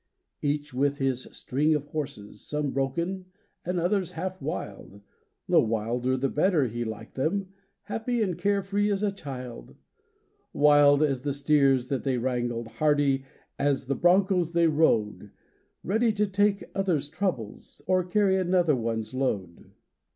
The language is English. Each with his string of horses, Some broken and others half wild, The wilder the better he liked them, Happy and carefree as a child;— Wild as the steers that they wrangled, Hardy as the bronchos they rode, Ready to take others' troubles, Or carry another one's load.